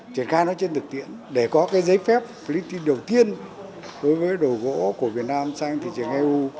triển khai nó trên thực tiễn để có giấy phép phí tiền đầu tiên đối với đồ gỗ của việt nam sang thị trường eu